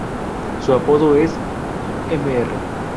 Su apodo es "Mr.